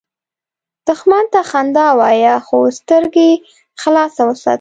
دښمن ته خندا وایه، خو سترګې خلاصه وساته